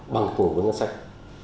bằng của ngân sách